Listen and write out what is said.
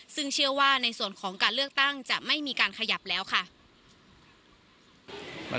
ซึ่งเชื่อว่าในส่วนของการเลือกตั้งจะไม่มีการขยับแล้วค่ะ